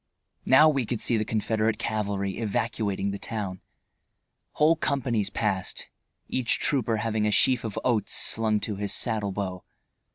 Now we could see the Confederate cavalry evacuating the town. Whole companies passed, each trooper having a sheaf of oats slung to his saddle bow.